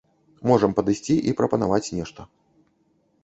Можам падысці і прапанаваць нешта.